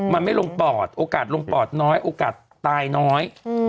มันไม่ลงปอดโอกาสลงปอดน้อยโอกาสตายน้อย